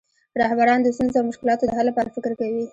رهبران د ستونزو او مشکلاتو د حل لپاره فکر کوي.